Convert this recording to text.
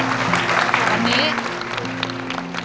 ตอนนี้